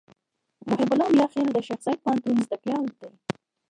محبت الله "میاخېل" د شیخزاید پوهنتون زدهکړیال دی.